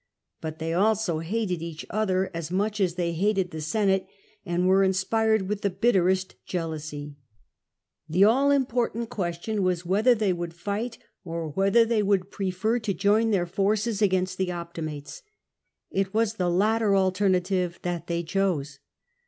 But they also hated each other as much as they hated the Senate, and were inspired with the bitterest jealousy. The all important question was whether they would fight, or whether they would prefer to join their forces against the Optimates. It was the latter alternative that they chose.